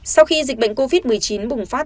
sau khi dịch bệnh covid một mươi chín bùng phát